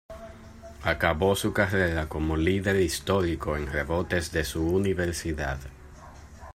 Acabó su carrera como líder histórico en rebotes de su universidad.